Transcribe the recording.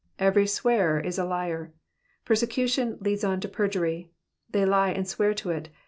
Every swearer is a liar. Persecution leads on to perjury. They lie and swear to it.